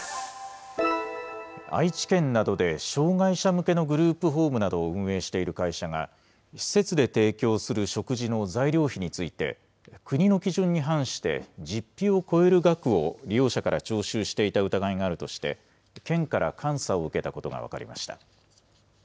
愛知県などで、障害者向けのグループホームなどを運営している会社が、施設で提供する食事の材料費について、国の基準に反して実費を超える額を利用者から徴収していた疑いがあるとして、県から監査を受けたことが分かりました。